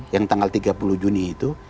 yang tanggal tiga puluh juni itu